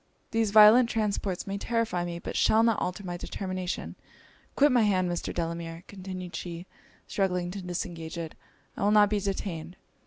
'These violent transports may terrify me, but shall not alter my determination. Quit my hand, Mr. Delamere,' continued she, struggling to disengage it 'I will not be detained.'